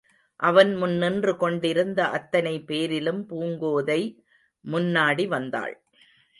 அவன் முன் நின்று கொண்டிருந்த அத்தனை பேரிலும் பூங்கோதை முன்னாடி வந்தாள்.